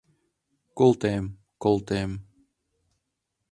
— Колтем, колтем...